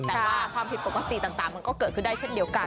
แต่ว่าความผิดปกติต่างมันก็เกิดขึ้นได้เช่นเดียวกัน